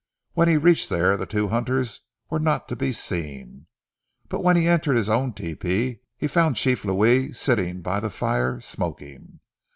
When he reached there the two hunters were not to be seen, but when he entered his own tepee he found Chief Louis sitting by the fire, smoking.